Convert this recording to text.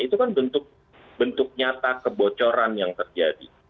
itu kan bentuk nyata kebocoran yang terjadi